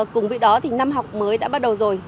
cùng với đó thì năm học mới đã bắt đầu rồi